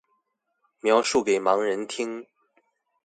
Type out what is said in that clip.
描述給盲人聽